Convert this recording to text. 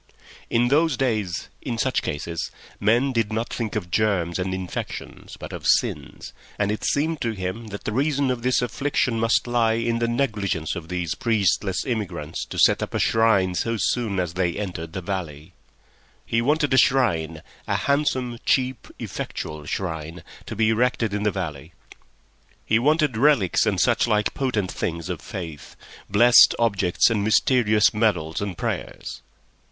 In those days, in such cases, men did not think of germs and infections, but of sins, and it seemed to him that the reason of this affliction must lie in the negligence of these priestless immigrants to set up a shrine so soon as they entered the valley. He wanted a shrine—a handsome, cheap, effectual shrine—to be erected in the valley; he wanted relics and such like potent things of faith, blessed objects and mysterious medals and prayers.